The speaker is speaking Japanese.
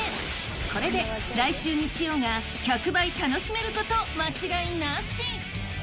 これで、来週日曜が１００倍楽しめること間違いなし。